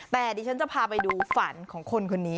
แต่ดิฉันจะพาไปดูฝันของคนคนนี้